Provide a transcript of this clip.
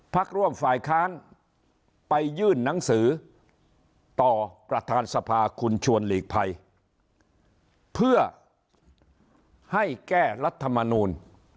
พักร่วมฝ่ายค้านไปยื่นหนังสือต่อประธานสภาคุณชวนหลีกภัยเพื่อให้แก้รัฐมนูล